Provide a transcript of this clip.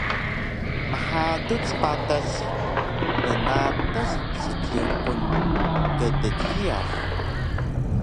Mhaduc patas bnatas sjiqun kdjiyax